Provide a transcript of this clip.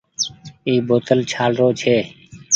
اي بوتل ڇآل رو ڇي۔